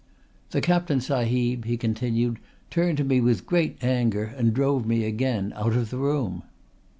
"The Captain sahib," he continued, "turned to me with great anger, and drove me again out of the room."